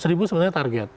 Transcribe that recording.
seribu sebenarnya target